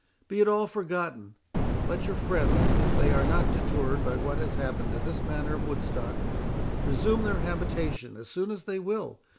Be it all forgotten. Let your friends, if they are not deterred by what has happened at this manor of Woodstock, resume their habitation as soon as they will.